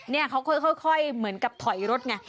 เนี่ยเขาค่อยเหมือนกับถอยรถไง